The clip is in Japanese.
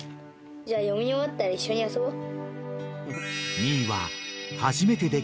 じゃあ読み終わったら一緒に遊ぼう。